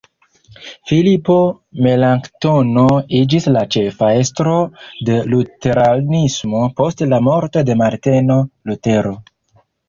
Filipo Melanktono iĝis la ĉefa estro de luteranismo post la morto de Marteno Lutero.